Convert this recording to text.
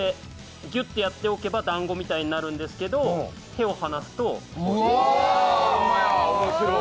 ギュッとやっておけばだんごみたいになるんですけど手を離すと。